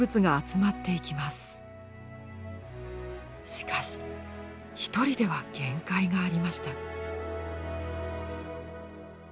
しかし一人では限界がありました。